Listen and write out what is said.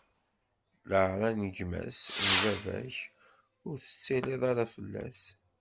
Leɛra n gma-s n baba-k, ur teṭṭilliḍ ara fell-as.